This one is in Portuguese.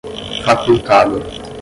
facultado